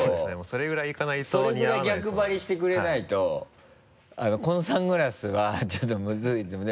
それぐらい逆張りしてくれないとこのサングラスはちょっとムズいと思う。